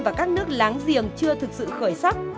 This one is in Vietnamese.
và các nước láng giềng chưa thực sự khởi sắc